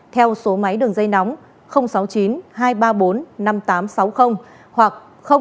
theo số máy đường dây nóng sáu mươi chín hai trăm ba mươi bốn năm nghìn tám trăm sáu mươi hoặc sáu mươi chín hai trăm ba mươi hai một nghìn sáu trăm bảy